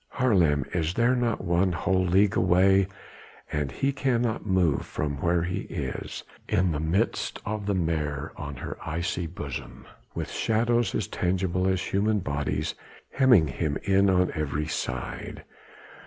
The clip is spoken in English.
Haarlem is there not one whole league away and he cannot move from where he is, in the midst of the Meer, on her icy bosom, with shadows as tangible as human bodies hemming him in on every side.